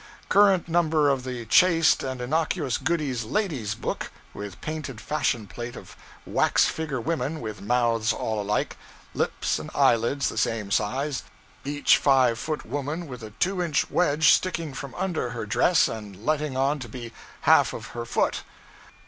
current number of the chaste and innocuous Godey's 'Lady's Book,' with painted fashion plate of wax figure women with mouths all alike lips and eyelids the same size each five foot woman with a two inch wedge sticking from under her dress and letting on to be half of her foot.